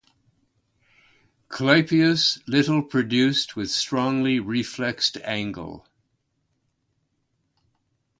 Clypeus little produced with strongly reflexed angle.